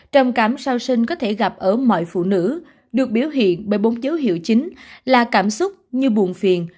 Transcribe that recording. trầm cảm sau sinh có thể gặp ở mọi phụ nữ được biểu hiện bởi bốn dấu hiệu chính là cảm xúc như buồn phiền